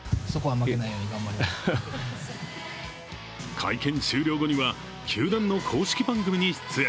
会見終了後には球団の公式番組に出演。